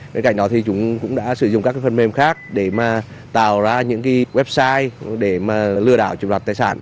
bên cạnh đó thì chúng cũng đã sử dụng các phần mềm khác để mà tạo ra những website để mà lừa đảo chụp đoạt tài sản